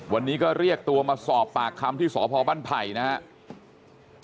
วันนี้ก็เรียกตัวมาสอบปากคำที่สพบ้านไผ่นะครับ